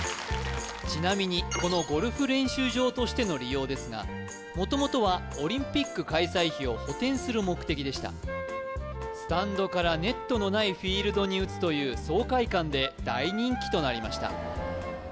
ちなみにこのゴルフ練習場としての利用ですがもともとはオリンピック開催費を補填する目的でしたスタンドからネットのないフィールドに打つという爽快感で大人気となりました